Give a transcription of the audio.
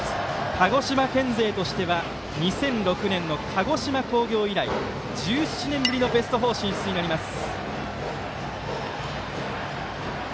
鹿児島県勢としては２００６年の鹿児島工業以来１７年ぶりのベスト４進出となります。